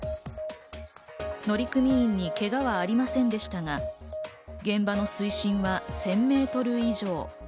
乗組員にけがはありませんでしたが、現場の水深は１０００メートル以上。